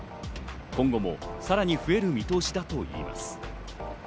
今後もさらに増える見通しだといいます。